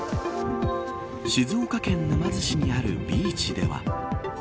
静岡県沼津市にあるビーチでは。